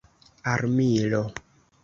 armilo